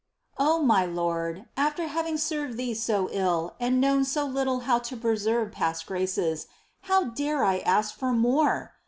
I. O my Lord ! after having served Thee so ill and known so little how to preserve past graces, how da re I ask for more